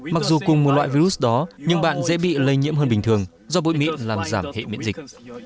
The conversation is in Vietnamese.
mặc dù cùng một loại virus đó nhưng bạn dễ bị lây nhiễm hơn bình thường do bụi mịn làm giảm hệ miễn dịch